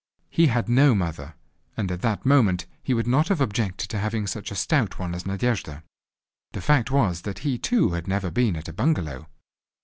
He had no mother, and at that moment he would not have objected to having just such a stout one as Nadejda. The fact was that he too had never been at a bungalow.